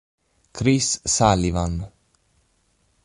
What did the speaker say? Chris Sullivan